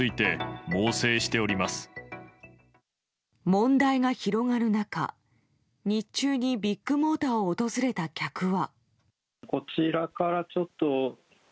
問題が広がる中、日中にビッグモーターを訪れた客は。